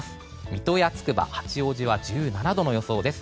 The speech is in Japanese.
水戸やつくば、八王子は１７度の予想です。